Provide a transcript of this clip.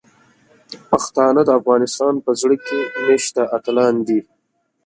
پښتانه د افغانستان په زړه کې میشته اتلان دي.